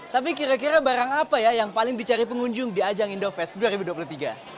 tapi kira kira barang apa ya yang paling dicari pengunjung di ajang indofest dua ribu dua puluh tiga